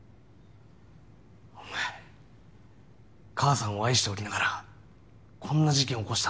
お前母さんを愛しておきながらこんな事件を起こしたっていうのか？